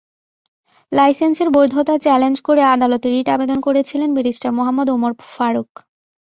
লাইসেন্সের বৈধতা চ্যালেঞ্জ করে আদালতে রিট আবেদন করেছিলেন ব্যারিস্টার মুহম্মদ ওমর ফারুক।